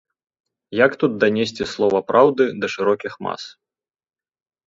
Як тут данесці слова праўды да шырокіх мас?